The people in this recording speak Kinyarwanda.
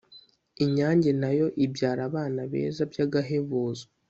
inyange na yo ibyara abana beza by’agahebuzo.